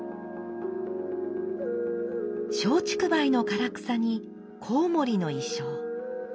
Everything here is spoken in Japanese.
松竹梅の唐草にこうもりの意匠。